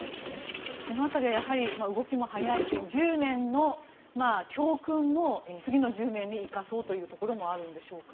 その辺りは動きも早いし１０年の教訓も次の１０年に生かそうというところもあるんでしょうか。